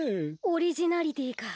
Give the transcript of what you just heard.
オリジナリティーか。